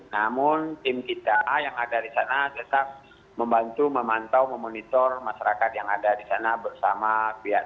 namun tim kita yang ada di sana tetap membantu memantau memonitor masyarakat yang ada di sana bersama pihak